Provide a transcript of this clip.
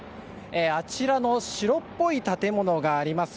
あちらの白っぽい建物があります